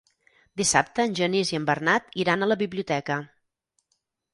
Dissabte en Genís i en Bernat iran a la biblioteca.